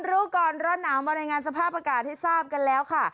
รู้ก่อนล่ะหนาวมาในงานสภาพอากาศที่ทราบกันแล้วค่ะ